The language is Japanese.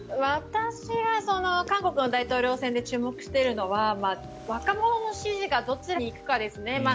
私は韓国の大統領選で注目しているのは若者の支持がどちらに行くかですね。